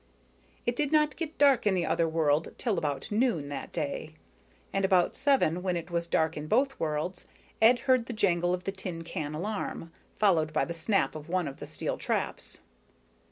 It did not get dark in the other world till about noon, that day; and about seven, when it was dark in both worlds, Ed heard the jangle of the tin can alarm, followed by the snap of one of the steel traps.